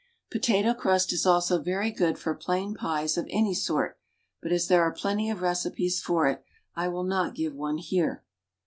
Potato crust is also very good for plain pies of any sort, but as there are plenty of recipes for it, I will not give one here.